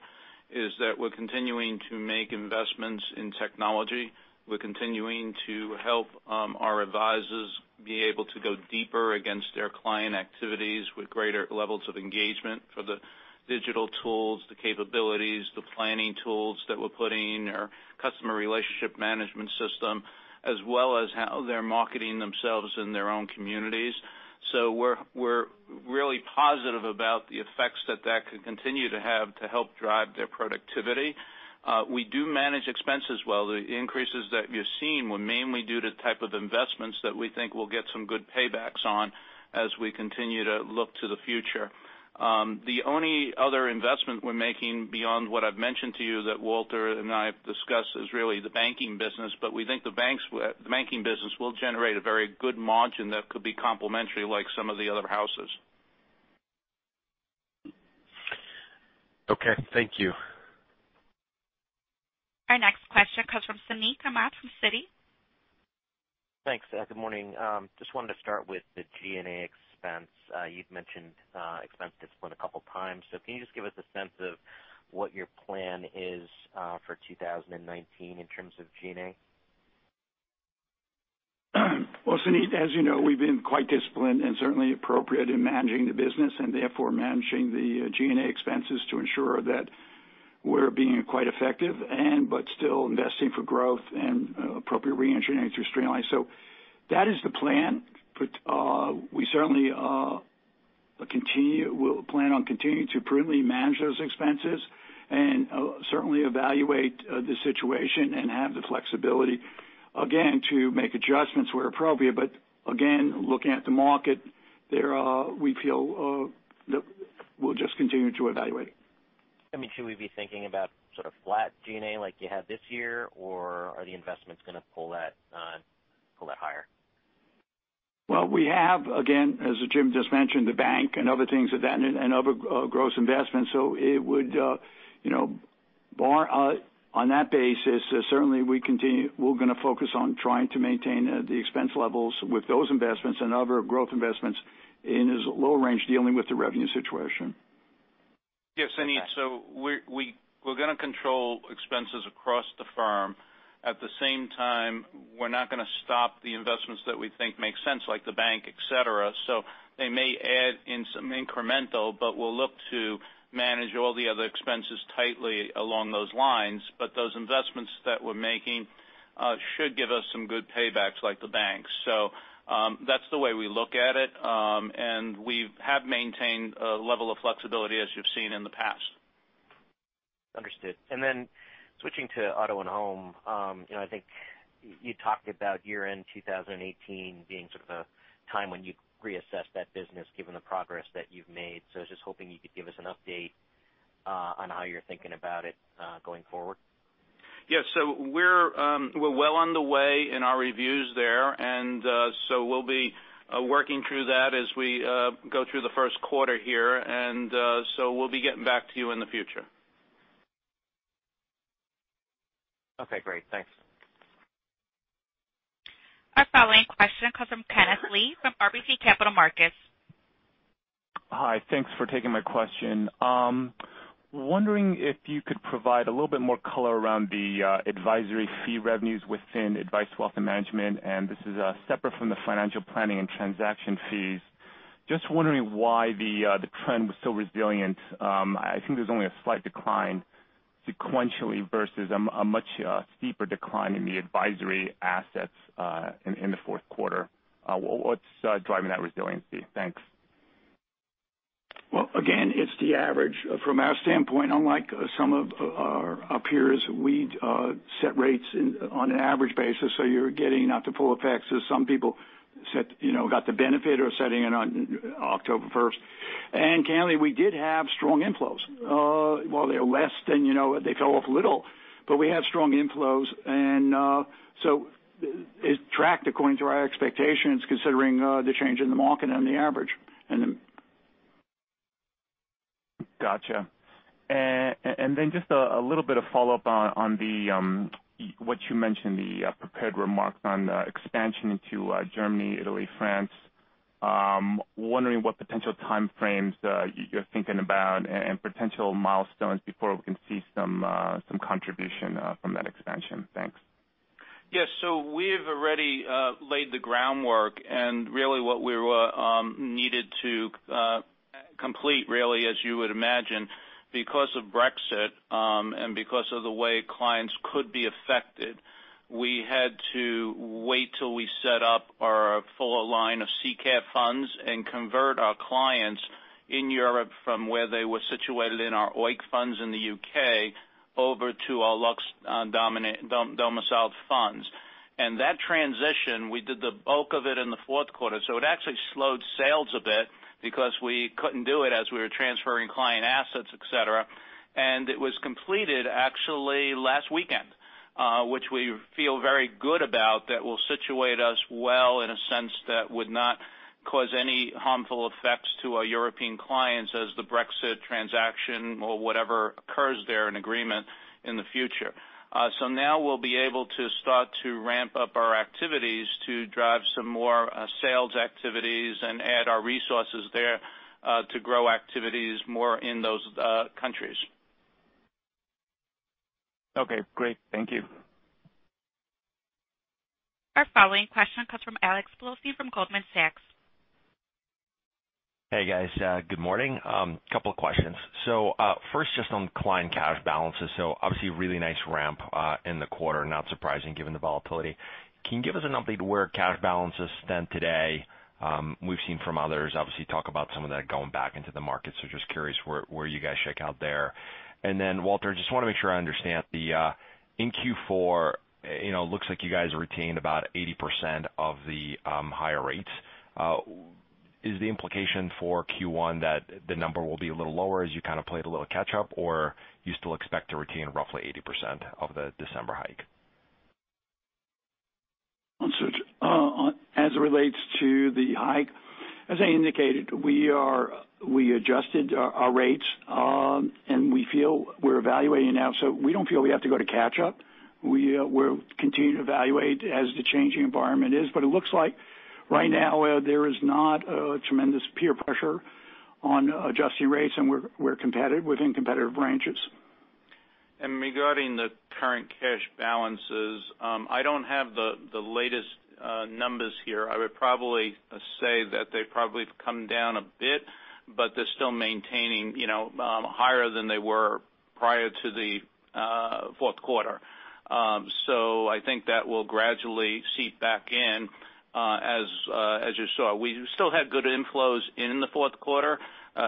[SPEAKER 3] is that we're continuing to make investments in technology. We're continuing to help our advisors be able to go deeper against their client activities with greater levels of engagement for the digital tools, the capabilities, the planning tools that we're putting in our customer relationship management system, as well as how they're marketing themselves in their own communities. We're really positive about the effects that that could continue to have to help drive their productivity. We do manage expenses well. The increases that you're seeing were mainly due to type of investments that we think will get some good paybacks on as we continue to look to the future. The only other investment we're making beyond what I've mentioned to you that Walter and I have discussed is really the banking business. We think the banking business will generate a very good margin that could be complementary like some of the other houses.
[SPEAKER 8] Thank you.
[SPEAKER 1] Our next question comes from Suneet Kamath from Citi.
[SPEAKER 9] Thanks. Good morning. Just wanted to start with the G&A expense. You've mentioned expense discipline a couple times. Can you just give us a sense of what your plan is for 2019 in terms of G&A?
[SPEAKER 4] Well, Suneet, as you know, we've been quite disciplined and certainly appropriate in managing the business and therefore managing the G&A expenses to ensure that we're being quite effective but still investing for growth and appropriate reengineering to streamline. That is the plan. We certainly plan on continuing to prudently manage those expenses and certainly evaluate the situation and have the flexibility, again, to make adjustments where appropriate. Again, looking at the market, we feel we'll just continue to evaluate.
[SPEAKER 9] Should we be thinking about sort of flat G&A like you have this year, or are the investments going to pull that higher?
[SPEAKER 4] Well, we have, again, as Jim just mentioned, the bank and other things and other gross investments. On that basis, certainly we're going to focus on trying to maintain the expense levels with those investments and other growth investments in this lower range, dealing with the revenue situation.
[SPEAKER 9] Okay.
[SPEAKER 3] Suneet. We're going to control expenses across the firm. At the same time, we're not going to stop the investments that we think make sense, like the bank, et cetera. They may add in some incremental, but we'll look to manage all the other expenses tightly along those lines. Those investments that we're making should give us some good paybacks like the banks. That's the way we look at it. We have maintained a level of flexibility as you've seen in the past.
[SPEAKER 9] Understood. Switching to auto and home, I think you talked about year-end 2018 being sort of a time when you'd reassess that business given the progress that you've made. I was just hoping you could give us an update on how you're thinking about it going forward.
[SPEAKER 3] Yes. We're well on the way in our reviews there. We'll be working through that as we go through the first quarter here. We'll be getting back to you in the future.
[SPEAKER 9] Okay, great. Thanks.
[SPEAKER 1] Our following question comes from Kenneth Lee from RBC Capital Markets.
[SPEAKER 10] Hi. Thanks for taking my question. Wondering if you could provide a little bit more color around the advisory fee revenues within Advice & Wealth Management, and this is separate from the financial planning and transaction fees. Just wondering why the trend was so resilient. I think there's only a slight decline sequentially versus a much steeper decline in the advisory assets in the fourth quarter. What's driving that resiliency? Thanks.
[SPEAKER 4] Well, again, it's the average. From our standpoint, unlike some of our peers, we set rates on an average basis, so you're getting not the full effect as some people got the benefit of setting it on October 1st. Candidly, we did have strong inflows. While they are less than they fell off a little, but we had strong inflows. It tracked according to our expectations, considering the change in the market and the average.
[SPEAKER 10] Got you. Just a little bit of follow-up on what you mentioned, the prepared remarks on expansion into Germany, Italy, France. I'm wondering what potential time frames you're thinking about and potential milestones before we can see some contribution from that expansion. Thanks.
[SPEAKER 3] Yes. We've already laid the groundwork, and really what we needed to complete really, as you would imagine, because of Brexit, because of the way clients could be affected, we had to wait till we set up our full line of SICAV funds and convert our clients in Europe from where they were situated in our OEIC funds in the U.K. over to our Luxembourg-domiciled funds. That transition, we did the bulk of it in the fourth quarter. It actually slowed sales a bit because we couldn't do it as we were transferring client assets, et cetera. It was completed actually last weekend, which we feel very good about that will situate us well in a sense that would not cause any harmful effects to our European clients as the Brexit transaction or whatever occurs there in agreement in the future. Now we'll be able to start to ramp up our activities to drive some more sales activities and add our resources there to grow activities more in those countries.
[SPEAKER 10] Okay, great. Thank you.
[SPEAKER 1] Our following question comes from Alex Blostein from Goldman Sachs.
[SPEAKER 11] Hey, guys. Good morning. Couple of questions. First, just on client cash balances. Obviously really nice ramp in the quarter, not surprising given the volatility. Can you give us an update where cash balances stand today? We've seen from others, obviously talk about some of that going back into the market, just curious where you guys check out there. Walter, just want to make sure I understand. In Q4, looks like you guys retained about 80% of the higher rates. Is the implication for Q1 that the number will be a little lower as you kind of played a little catch-up, or you still expect to retain roughly 80% of the December hike?
[SPEAKER 4] As it relates to the hike, as I indicated, we adjusted our rates, we feel we're evaluating now. We don't feel we have to go to catch up. We'll continue to evaluate as the changing environment is, it looks like right now there is not a tremendous peer pressure on adjusting rates, and we're within competitive ranges.
[SPEAKER 3] Regarding the current cash balances, I don't have the latest numbers here. I would probably say that they probably have come down a bit, they're still maintaining higher than they were prior to the fourth quarter. I think that will gradually seep back in as you saw. We still had good inflows in the fourth quarter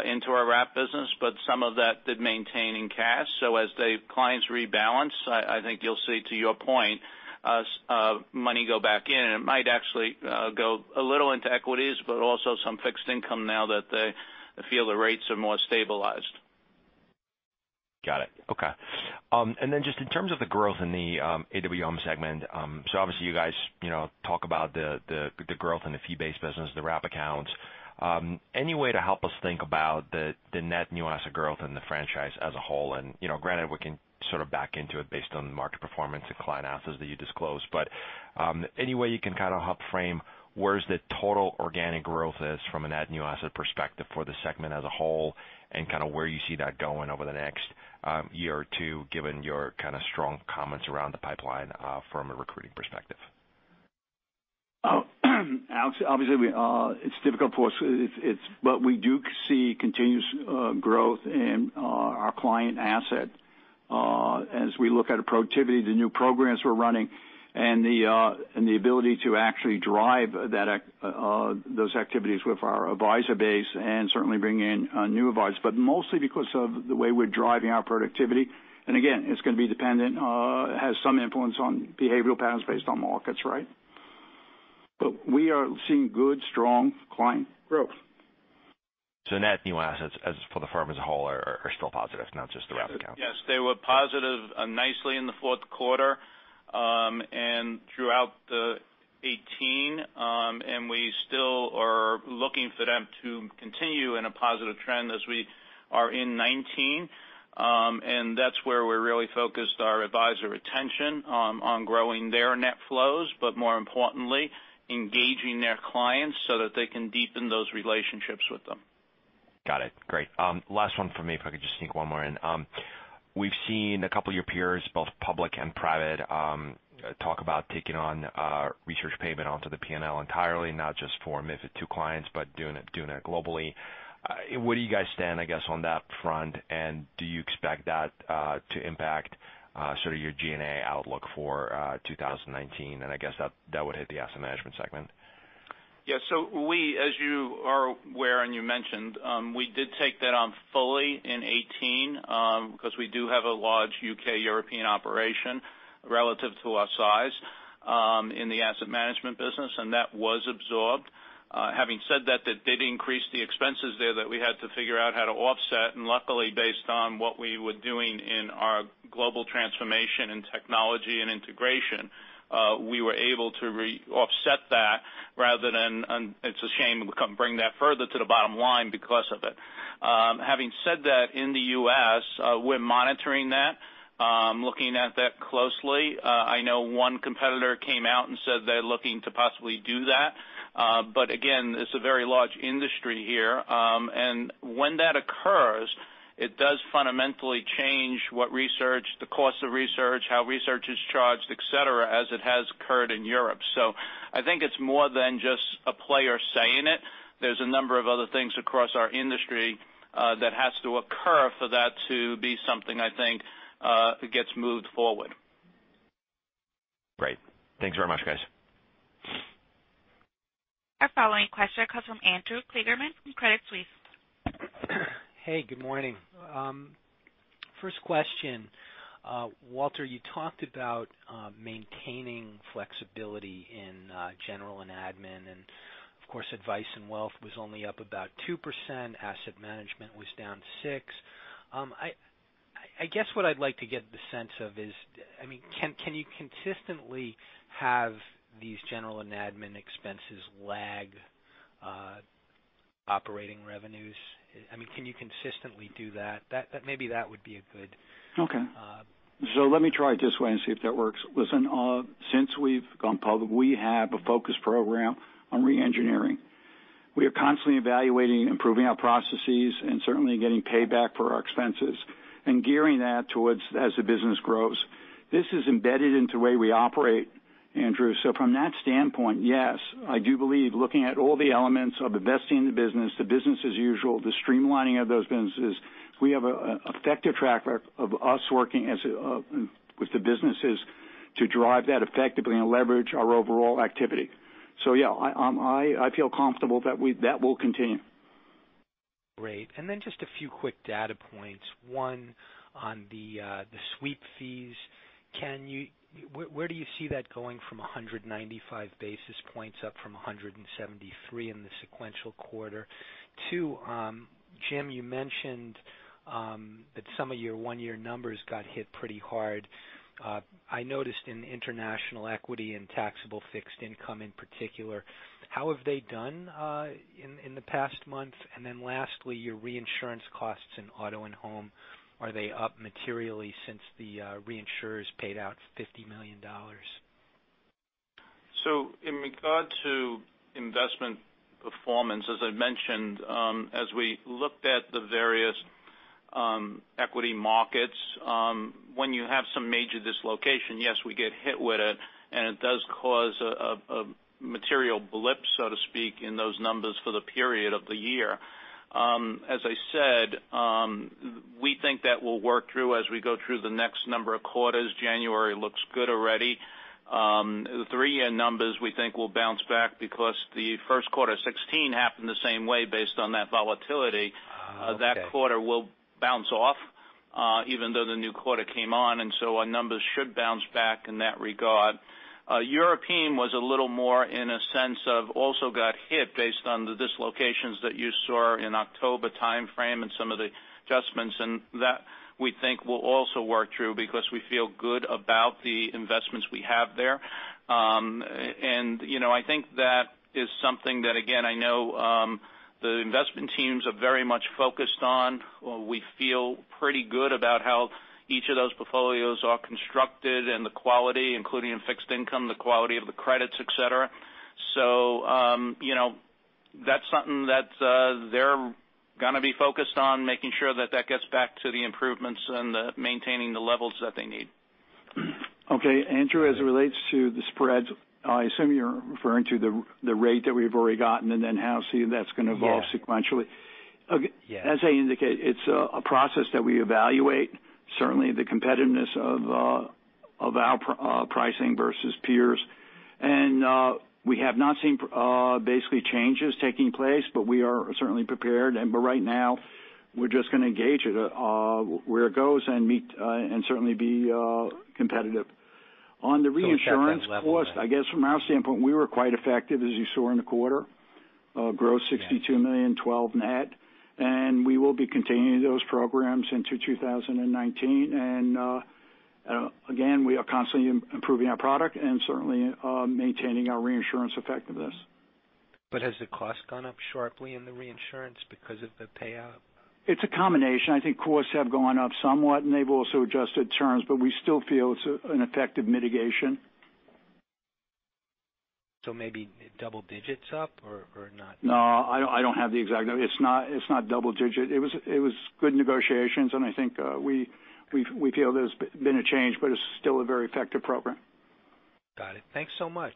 [SPEAKER 3] into our wrap business, some of that did maintain in cash. As the clients rebalance, I think you'll see, to your point, money go back in, and it might actually go a little into equities, but also some fixed income now that they feel the rates are more stabilized.
[SPEAKER 11] Got it. Okay. Just in terms of the growth in the AWM segment. Obviously you guys talk about the growth in the fee-based business, the wrap accounts. Any way to help us think about the net new asset growth in the franchise as a whole? Granted, we can sort of back into it based on the market performance and client assets that you disclosed. Any way you can kind of help frame where's the total organic growth is from a net new asset perspective for the segment as a whole and kind of where you see that going over the next year or two given your kind of strong comments around the pipeline from a recruiting perspective?
[SPEAKER 4] It's difficult for us, but we do see continuous growth in our client asset. As we look at the productivity, the new programs we're running, and the ability to actually drive those activities with our advisor base and certainly bring in new advisors, but mostly because of the way we're driving our productivity. Again, it's going to be dependent, has some influence on behavioral patterns based on markets, right? We are seeing good, strong client growth.
[SPEAKER 11] Net new assets as for the firm as a whole are still positive, not just the wrap account.
[SPEAKER 3] Yes. They were positive nicely in the fourth quarter, and throughout 2018. We still are looking for them to continue in a positive trend as we are in 2019. That's where we're really focused our advisor attention, on growing their net flows, but more importantly, engaging their clients so that they can deepen those relationships with them.
[SPEAKER 11] Got it. Great. Last one from me, if I could just sneak one more in. We've seen a couple of your peers, both public and private, talk about taking on research payment onto the P&L entirely, not just for MiFID II clients, but doing it globally. Where do you guys stand, I guess, on that front, and do you expect that to impact sort of your G&A outlook for 2019? I guess that would hit the asset management segment.
[SPEAKER 3] We, as you are aware and you mentioned, we did take that on fully in 2018, because we do have a large U.K. European operation relative to our size in the asset management business, and that was absorbed. Having said that did increase the expenses there that we had to figure out how to offset, and luckily, based on what we were doing in our global transformation in technology and integration, we were able to re-offset that rather than, it's a shame we couldn't bring that further to the bottom line because of it. Having said that, in the U.S., we're monitoring that, looking at that closely. I know one competitor came out and said they're looking to possibly do that. Again, it's a very large industry here. When that occurs, it does fundamentally change what research, the cost of research, how research is charged, et cetera, as it has occurred in Europe. I think it's more than just a player saying it. There's a number of other things across our industry that has to occur for that to be something, I think, gets moved forward.
[SPEAKER 11] Great. Thanks very much, guys.
[SPEAKER 1] Our following question comes from Andrew Kligerman from Credit Suisse.
[SPEAKER 12] Hey, good morning. First question. Walter, you talked about maintaining flexibility in general and admin, and of course, Advice & Wealth Management was only up about 2%. Asset management was down 6%. I guess what I'd like to get the sense of is, can you consistently have these general and admin expenses lag operating revenues? Can you consistently do that? Maybe that would be a good
[SPEAKER 4] Okay. Let me try it this way and see if that works. Listen, since we've gone public, we have a focus program on re-engineering. We are constantly evaluating, improving our processes, and certainly getting payback for our expenses and gearing that towards as the business grows. This is embedded into the way we operate, Andrew. From that standpoint, yes, I do believe looking at all the elements of investing in the business, the business as usual, the streamlining of those businesses, we have an effective track record of us working with the businesses to drive that effectively and leverage our overall activity. Yeah, I feel comfortable that will continue.
[SPEAKER 12] Great. Just a few quick data points. One on the sweep fees. Where do you see that going from 195 basis points up from 173 in the sequential quarter? Two, Jim, you mentioned that some of your one-year numbers got hit pretty hard. I noticed in international equity and taxable fixed income in particular. How have they done in the past month? Lastly, your reinsurance costs in auto and home, are they up materially since the reinsurers paid out $50 million?
[SPEAKER 3] In regard to investment performance, as I mentioned, as we looked at the various equity markets, when you have some major dislocation, yes, we get hit with it, and it does cause a material blip, so to speak, in those numbers for the period of the year. As I said, we think that will work through as we go through the next number of quarters. January looks good already. The three-year numbers we think will bounce back because the first quarter 2016 happened the same way based on that volatility.
[SPEAKER 12] Okay.
[SPEAKER 3] That quarter will bounce off even though the new quarter came on. Our numbers should bounce back in that regard. European was a little more in a sense of also got hit based on the dislocations that you saw in October timeframe and some of the adjustments. That we think will also work through because we feel good about the investments we have there. I think that is something that, again, I know the investment teams are very much focused on. We feel pretty good about how each of those portfolios are constructed and the quality, including in fixed income, the quality of the credits, et cetera. That's something that they're going to be focused on, making sure that that gets back to the improvements and maintaining the levels that they need.
[SPEAKER 4] Okay, Andrew, as it relates to the spreads, I assume you're referring to the rate that we've already gotten and then how soon that's going to evolve sequentially.
[SPEAKER 3] Yes. As I indicate, it's a process that we evaluate. Certainly, the competitiveness of our pricing versus peers. We have not seen basically changes taking place, but we are certainly prepared. Right now, we're just going to gauge it, where it goes, and certainly be competitive. On the reinsurance cost-
[SPEAKER 4] It's at that level then. I guess from our standpoint, we were quite effective, as you saw in the quarter. Gross $62 million, $12 net. We will be continuing those programs into 2019. Again, we are constantly improving our product and certainly maintaining our reinsurance effectiveness.
[SPEAKER 3] Has the cost gone up sharply in the reinsurance because of the payout?
[SPEAKER 4] It's a combination. I think costs have gone up somewhat, and they've also adjusted terms, but we still feel it's an effective mitigation.
[SPEAKER 3] Maybe double digits up or not?
[SPEAKER 4] No, I don't have the exact number. It's not double-digit. It was good negotiations, and I think we feel there's been a change, but it's still a very effective program.
[SPEAKER 12] Got it. Thanks so much.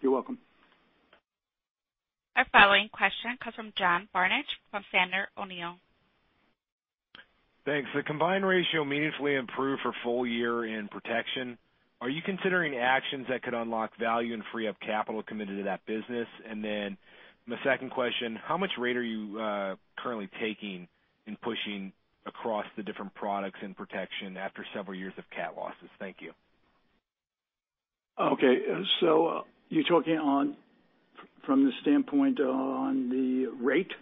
[SPEAKER 4] You're welcome.
[SPEAKER 1] Our following question comes from John Barnidge from Sandler O'Neill.
[SPEAKER 13] Thanks. The combined ratio meaningfully improved for full year in protection. Are you considering actions that could unlock value and free up capital committed to that business? My second question, how much rate are you currently taking in pushing across the different products in protection after several years of cat losses? Thank you.
[SPEAKER 4] Okay. You're talking from the standpoint on the rate?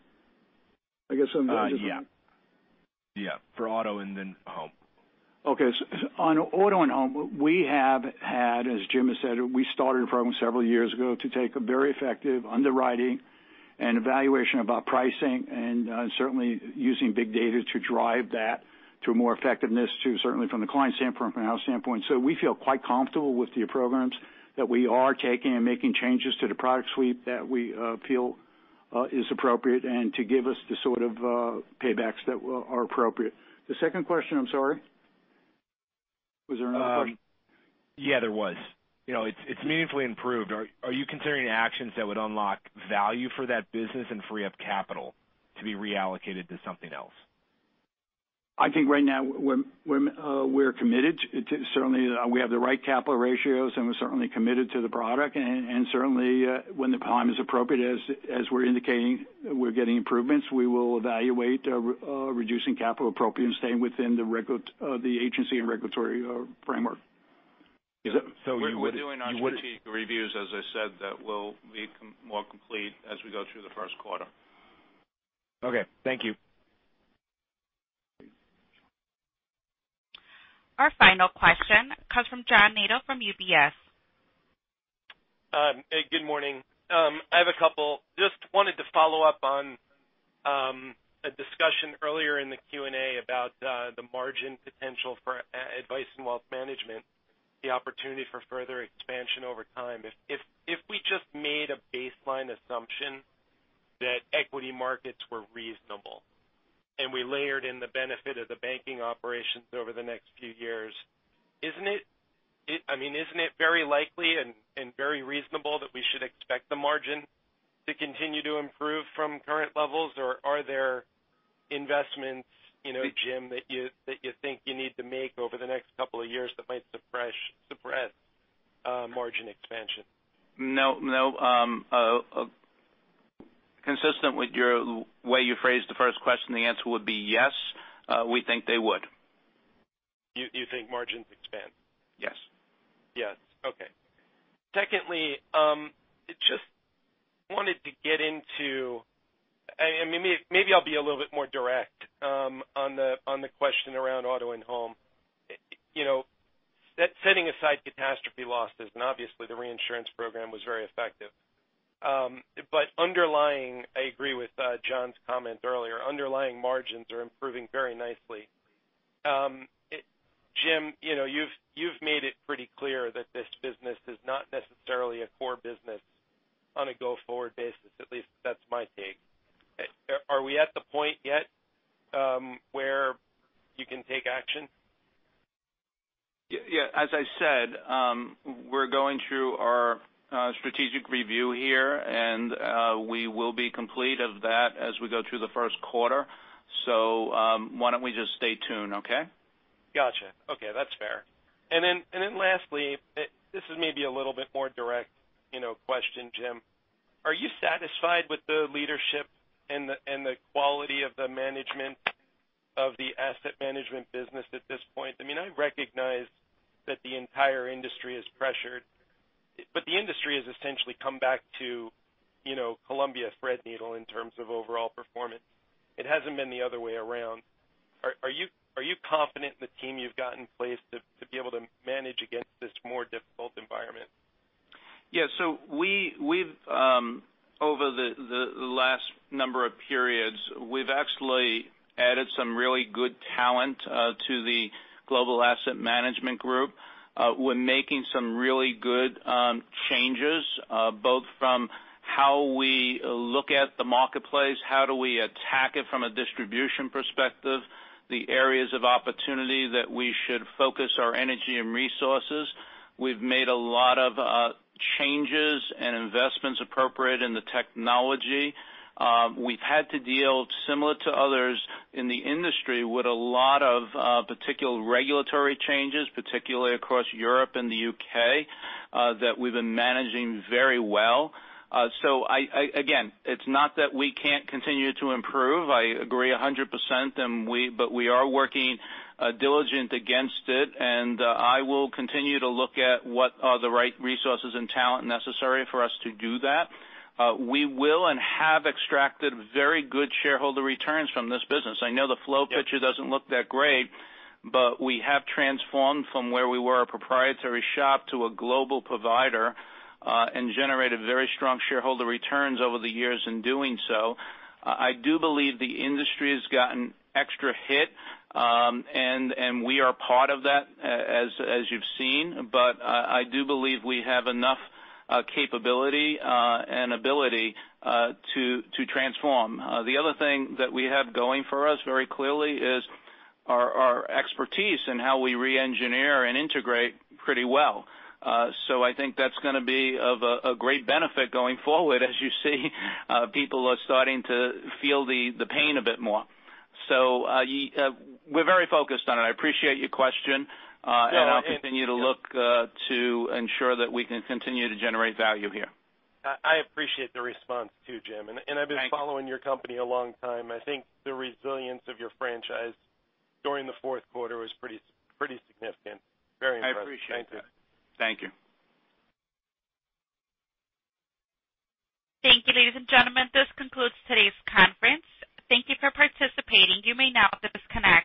[SPEAKER 13] Yes. For auto and home.
[SPEAKER 4] Okay. On auto and home, we have had, as Jim has said, we started a program several years ago to take a very effective underwriting and evaluation of our pricing, and certainly using big data to drive that to more effectiveness to certainly from the client standpoint, from our standpoint. We feel quite comfortable with the programs that we are taking and making changes to the product suite that we feel is appropriate, and to give us the sort of paybacks that are appropriate. The second question, I'm sorry? Was there another question?
[SPEAKER 13] Yes, there was. It's meaningfully improved. Are you considering actions that would unlock value for that business and free up capital to be reallocated to something else?
[SPEAKER 4] I think right now we're committed to, certainly we have the right capital ratios, and we're certainly committed to the product. Certainly when the time is appropriate, as we're indicating we're getting improvements, we will evaluate reducing capital appropriate and staying within the agency and regulatory framework.
[SPEAKER 3] We're doing our strategic reviews, as I said, that will be more complete as we go through the first quarter.
[SPEAKER 13] Okay. Thank you.
[SPEAKER 1] Our final question comes from John Nadel from UBS.
[SPEAKER 14] Hey, good morning. I have a couple. Just wanted to follow up on a discussion earlier in the Q&A about the margin potential for Advice & Wealth Management, the opportunity for further expansion over time. If we just made a baseline assumption that equity markets were reasonable, we layered in the benefit of the banking operations over the next few years, isn't it very likely and very reasonable that we should expect the margin to continue to improve from current levels? Or are there investments, Jim, that you think you need to make over the next couple of years that might suppress margin expansion?
[SPEAKER 3] No. Consistent with your way you phrased the first question, the answer would be yes, we think they would.
[SPEAKER 14] You think margins expand?
[SPEAKER 3] Yes.
[SPEAKER 14] Yes. Okay. Secondly, just wanted to get into, maybe I'll be a little bit more direct on the question around auto and home. Setting aside catastrophe losses, and obviously the reinsurance program was very effective. Underlying, I agree with John's comment earlier, underlying margins are improving very nicely. Jim, you've made it pretty clear that this business is not necessarily a core business on a go-forward basis. At least that's my take. Are we at the point yet where you can take action?
[SPEAKER 3] Yes. As I said, we're going through our strategic review here, and we will be complete of that as we go through the first quarter. Why don't we just stay tuned, okay?
[SPEAKER 14] Got you. Okay. That's fair. Lastly, this is maybe a little bit more direct question, Jim. Are you satisfied with the leadership and the quality of the management of the asset management business at this point? I recognize that the entire industry is pressured, but the industry has essentially come back to Columbia Threadneedle in terms of overall performance. It hasn't been the other way around. Are you confident in the team you've got in place to be able to manage against this more difficult environment?
[SPEAKER 3] Yes. Over the last number of periods, we've actually added some really good talent to the global asset management group. We're making some really good changes, both from how we look at the marketplace, how do we attack it from a distribution perspective, the areas of opportunity that we should focus our energy and resources. We've made a lot of changes and investments appropriate in the technology. We've had to deal, similar to others in the industry, with a lot of particular regulatory changes, particularly across Europe and the U.K., that we've been managing very well. Again, it's not that we can't continue to improve. I agree 100%, but we are working diligent against it, and I will continue to look at what are the right resources and talent necessary for us to do that. We will and have extracted very good shareholder returns from this business. I know the flow picture doesn't look that great. We have transformed from where we were a proprietary shop to a global provider, and generated very strong shareholder returns over the years in doing so. I do believe the industry has gotten extra hit, and we are part of that, as you've seen. I do believe we have enough capability and ability to transform. The other thing that we have going for us very clearly is our expertise in how we re-engineer and integrate pretty well. I think that's going to be of a great benefit going forward, as you see people are starting to feel the pain a bit more. We're very focused on it. I appreciate your question.
[SPEAKER 14] Yeah.
[SPEAKER 3] I'll continue to look to ensure that we can continue to generate value here.
[SPEAKER 14] I appreciate the response, too, Jim.
[SPEAKER 3] Thank you.
[SPEAKER 14] I've been following your company a long time, and I think the resilience of your franchise during the fourth quarter was pretty significant. Very impressive.
[SPEAKER 3] I appreciate that.
[SPEAKER 14] Thank you.
[SPEAKER 3] Thank you.
[SPEAKER 1] Thank you, ladies and gentlemen, this concludes today's conference. Thank you for participating. You may now disconnect.